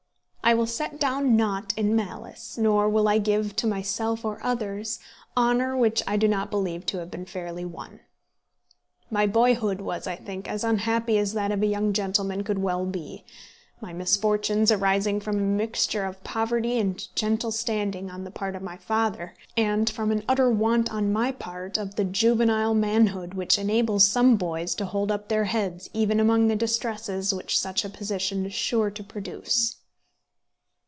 I will set down naught in malice; nor will I give to myself, or others, honour which I do not believe to have been fairly won. My boyhood was, I think, as unhappy as that of a young gentleman could well be, my misfortunes arising from a mixture of poverty and gentle standing on the part of my father, and from an utter want on my own part of that juvenile manhood which enables some boys to hold up their heads even among the distresses which such a position is sure to produce.